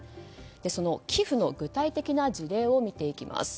その寄付の具体的な事例を見ていきます。